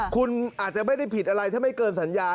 คุณอาจจะไม่ได้ผิดอะไรถ้าไม่เกินสัญญา